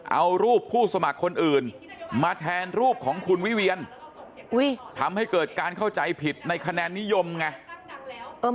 เอารูปผู้สมัครคนอื่นมาแทนรูปของคุณวิเวียนทำให้เกิดการเข้าใจผิดในคะแนนนิยมไง